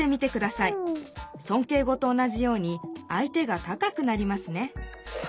そんけい語と同じように相手が高くなりますね。